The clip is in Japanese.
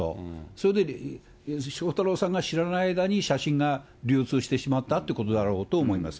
それで、翔太郎さんが知らない間に写真が流通してしまったってことだろうと思います。